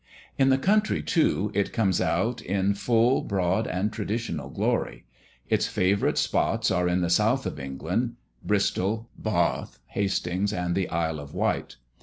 In the country, too, it comes out in full, broad, and traditional glory. Its favourite spots are in the South of England Bristol, Bath, Hastings, and the Isle of Wight.